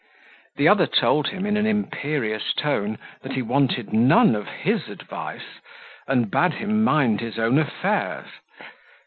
The other told him, in an imperious tone, that he wanted none of his advice, and bade him mind his own affairs.